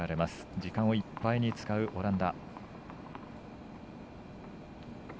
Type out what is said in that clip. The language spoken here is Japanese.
時間をいっぱいに使うオランダ。